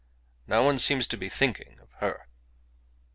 No one seems to be thinking of her."